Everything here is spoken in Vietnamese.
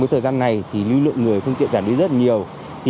trong thời gian này lưu lượng người phương tiện giảm đi rất nhiều